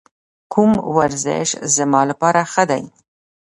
کوم ورزش زما لپاره ښه دی؟